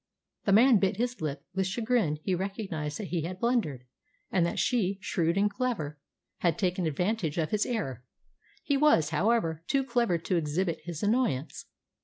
The man bit his lip. With chagrin he recognised that he had blundered, and that she, shrewd and clever, had taken advantage of his error. He was, however, too clever to exhibit his annoyance.